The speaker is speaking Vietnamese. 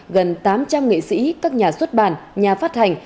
gần tám trăm linh nghệ sĩ các nhà xuất bản nhà phát hành